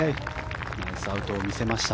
ナイスアウトを見せました。